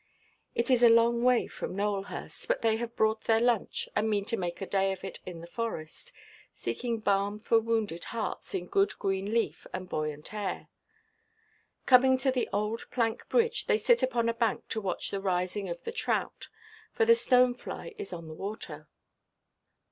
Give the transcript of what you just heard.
It is a long way from Nowelhurst, but they have brought their lunch, and mean to make a day of it in the forest, seeking balm for wounded hearts in good green leaf and buoyant air. Coming to the old plank–bridge, they sit upon a bank to watch the rising of the trout, for the stone–fly is on the water.